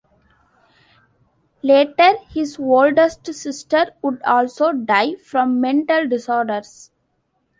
Later, his oldest sister would also die from mental disorders.